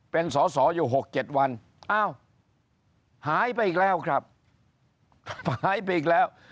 เป็นสอสออยู่๖๗วันอ้าวหายไปอีกแล้วครับหายไปอีกแล้ว